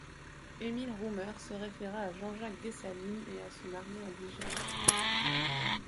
Émile Roumer se référa à Jean-Jacques Dessalines et à son Armée indigène.